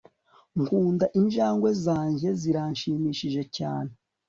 nkunda injangwe zanjye, zirashimishije cyane